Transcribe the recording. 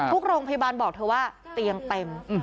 ทุกโรงพยาบาลบอกเธอว่าเตียงเต็ม